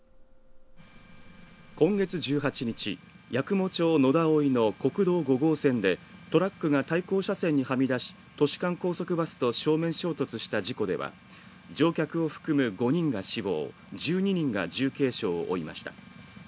今月１８日八雲町野田生の国道５号線でトラックが対向車線にはみ出し都市間高速バスと正面衝突した事故では乗客を含む５人が死亡１２人が重軽傷を負いました。